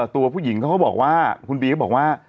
ตัวผู้หญิงเขาก็บอกว่า